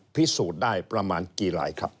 พิสูจน์ได้ประมาณกี่ลายครับ